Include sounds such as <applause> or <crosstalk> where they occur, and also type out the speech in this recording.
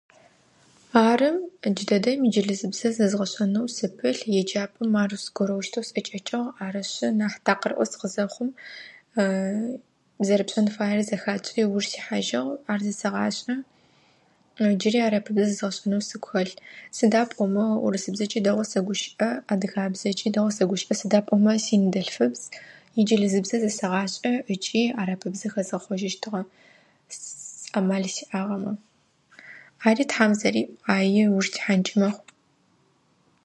Ары, ыдж дэдэм инджылызыбзэ зэзгъэшӏэнэу сыпылъ. Еджапӏэм ар зэгощтэу сӏэкӏэкӏыгъ. Арышъы, нахь такъырӏо сыкъызэхъум, <hesitation> зэрэпшӏэн фаер зэхакӏи, ыуж сихьажьыгъ. Ар зэсэгъашӏэ. Джыри арэп зэзгъэшӏэн сыгу хэлъ. Сыда пӏомэ урысыбзэкӏи дэгъоу сэгущыӏэ, адыгабзэкӏи дэгӏоу сэгущыӏэ. Сыда пӏомэ синыдэлъфыбз. Инджылызыбзэ зэсэгъашӏэ. Ыкӏи арабыбзэ хэзгъэхъожьыщтыгъэ, амал сиӏагъэмэ. Ари Тхьам зэриӏу. Ари ыуж тихьанкӏи мэхъу.